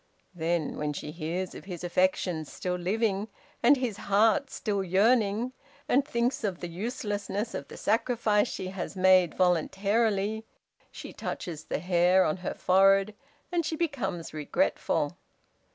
Then, when she hears of his affections still living, and his heart still yearning, and thinks of the uselessness of the sacrifice she has made voluntarily, she touches the hair on her forehead, and she becomes regretful.